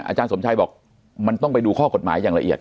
อาจารย์สมชัยบอกมันต้องไปดูข้อกฎหมายอย่างละเอียด